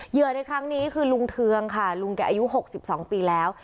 เหยืดในครั้งนี้คือลุงเทืองค่ะลุงแกอายุ๖๒ปีแล้ว